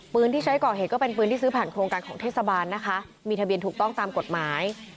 ที่ใช้ก่อเหตุก็เป็นปืนที่ซื้อผ่านโครงการของเทศบาลนะคะมีทะเบียนถูกต้องตามกฎหมาย